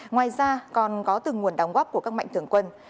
ngoài ra còn có từng nguồn đóng góp của các mạnh thường quân